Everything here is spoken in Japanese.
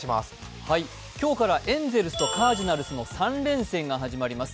今日からエンゼルスとカージナルスの３連戦が始まります